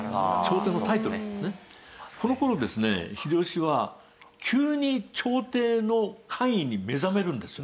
この頃ですね秀吉は急に朝廷の官位に目覚めるんですよ。